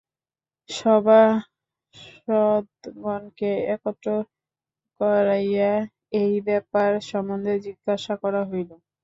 সভাসদগণকে একত্র করাইয়া এই ব্যাপার সম্বন্ধে জিজ্ঞাসা করা হইল।